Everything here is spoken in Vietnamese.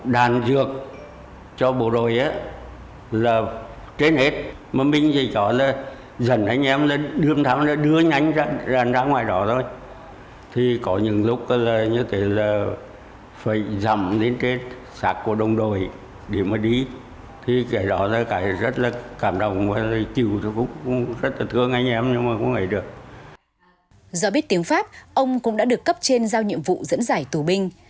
do biết tiếng pháp ông cũng đã được cấp trên giao nhiệm vụ dẫn dải tù binh